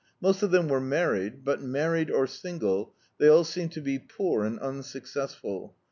Most of them were married, but married en single, they all seemed to be poor and unsuccessful.